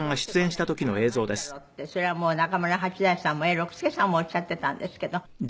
それは中村八大さんも永六輔さんもおっしゃっていたんですけど。